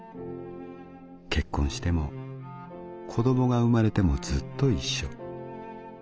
結婚してもこどもが産まれてもずっと一緒。